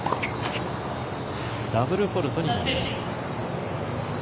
ダブルフォールトになりました。